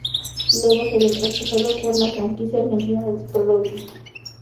Luego sería traspasado a la franquicia argentina del Super Rugby.